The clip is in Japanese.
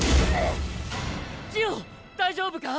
ジオ大丈夫か！